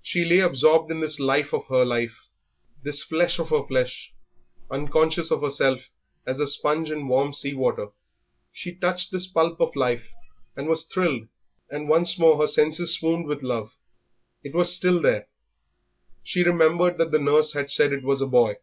She lay absorbed in this life of her life, this flesh of her flesh, unconscious of herself as a sponge in warm sea water. She touched this pulp of life, and was thrilled, and once more her senses swooned with love; it was still there. She remembered that the nurse had said it was a boy.